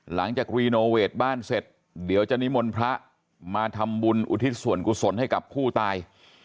รีโนเวทบ้านเสร็จเดี๋ยวจะนิมนต์พระมาทำบุญอุทิศส่วนกุศลให้กับผู้ตาย